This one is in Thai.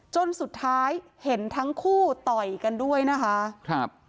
จนสุดท้ายเห็นทั้งคู่ต่อยกันด้วยนะคะครับ